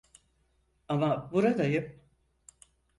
Ama buradayım.